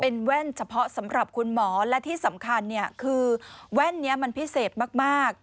เป็นแว่นเฉพาะสำหรับคุณหมอและที่สำคัญเนี่ยคือแว่นนี้มันพิเศษมาก